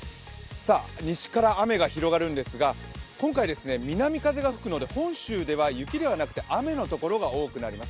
西から雨が広がるんですが今回、南風が吹くので本州は雪ではなくて雨のところが多くなります。